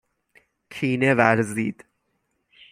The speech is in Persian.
کینه ورزید